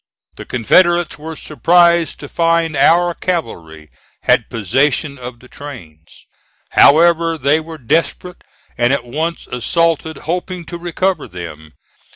The Confederates were surprised to find our cavalry had possession of the trains. However, they were desperate and at once assaulted, hoping to recover them.